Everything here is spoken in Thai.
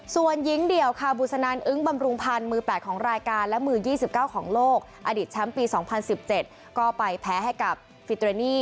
ส่วนหญิงเดี่ยวคาบุษนันอึ้งบำรุงพันธ์มือ๘ของรายการและมือ๒๙ของโลกอดีตแชมป์ปี๒๐๑๗ก็ไปแพ้ให้กับฟิเตรนี